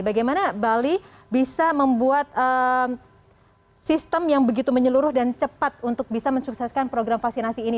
bagaimana bali bisa membuat sistem yang begitu menyeluruh dan cepat untuk bisa mensukseskan program vaksinasi ini